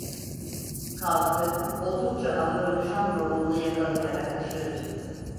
Kalktı, oldukça ağırlaşan bavulunu yakalayarak dışarı çıktı.